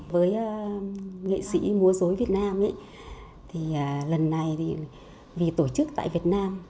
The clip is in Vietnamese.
với nghệ sĩ mùa dối việt nam lần này vì tổ chức tại việt nam